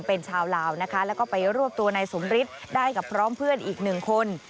เป็นชาวลาวนะคะแล้วก็ไปรวบตัวนายสมฤทธิ์ได้กับพร้อมเพื่อนอีกหนึ่งคน